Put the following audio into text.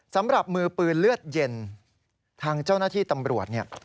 สำหรับมือปืนเลือดเย็นทางเจ้าหน้าที่ตำรวจเนี่ย